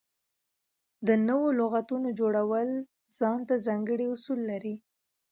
د نوو لغاتونو جوړول ځان ته ځانګړي اصول لري.